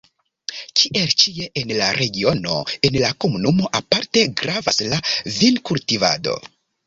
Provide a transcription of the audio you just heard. Kiel ĉie en la regiono, en la komunumo aparte gravas la vinkultivado.